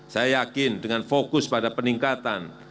saya yakin dengan fokus pada peningkatan